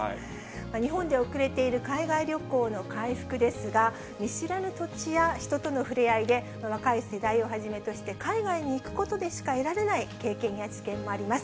日本で遅れている海外旅行の回復ですが、見知らぬ土地や人とのふれあいで、若い世代をはじめとして、海外に行くことでしか得られない経験や知見もあります。